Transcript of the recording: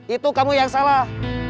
itu kamu yang salah